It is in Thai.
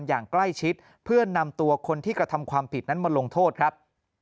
อย่างใกล้ชิดเพื่อนำตัวคนที่กระทำความผิดนั้นมาลงโทษครับ